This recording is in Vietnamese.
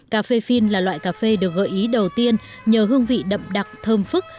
cà phê phin là loại cà phê được gợi ý đầu tiên nhờ hương vị đậm đặc thơm phức